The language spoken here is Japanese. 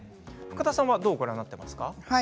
深田さんはどうご覧になっていますか？